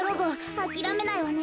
あきらめないわね。